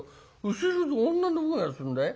後ろで女の声がするんだい。